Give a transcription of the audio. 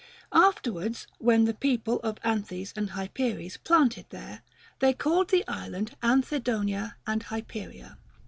After wards, when the people of Anthes and Hyperes planted there, they called the island Anthedonia and Hyperia.